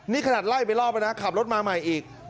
นี่ขนาดไล่ไปรอบแล้วนะขับรถมาใหม่อีก